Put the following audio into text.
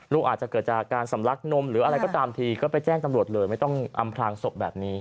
อาจจะเกิดจากการสำลักนมหรืออะไรก็ตามทีก็ไปแจ้งตำรวจเลยไม่ต้องอำพลางศพแบบนี้